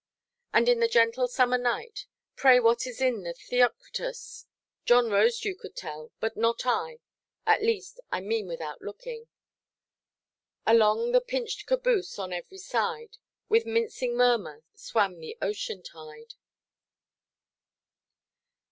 And in the gentle summer night—pray what is it in Theocritus? John Rosedew could tell, but not I—at least, I mean without looking— "Along the pinched caboose, on every side, With mincing murmur swam the ocean tide."